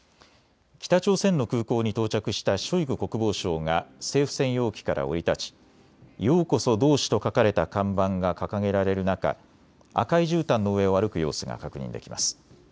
北朝鮮の空港に到着したショイグ国防相が政府専用機から降り立ちようこそ同志と書かれた看板が掲げられる中、赤いじゅうたんの上を歩く様子が確認できます。